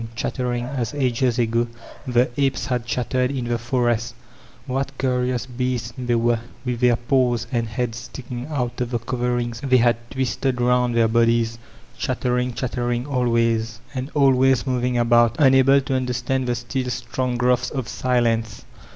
chattering, as ages ago the apes had chattered in die for* est I What curious beasts they were, with their paws and heads sticking out of the coverings they had twisted round their bodies— diattering, chattering ahrayi, and At the End op the Alley 439 always momig abottt^ unabk to understand the still strong growths of silence.